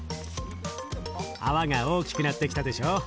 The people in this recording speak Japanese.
泡が大きくなってきたでしょ。